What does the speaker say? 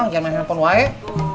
jangan main handphone wak